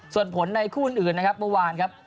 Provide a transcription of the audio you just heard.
ส่วนผลในคู่อื่นนะครับเมื่อวานครับ